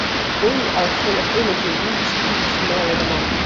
They are full of energy which is merely dormant.